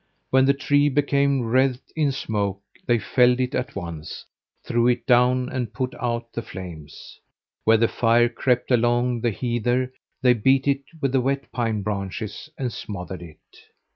When a tree became wreathed in smoke they felled it at once, threw it down and put out the flames. Where the fire crept along the heather, they beat it with the wet pine branches and smothered it.